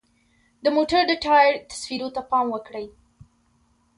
د موټر د ټایر تصویرو ته پام وکړئ.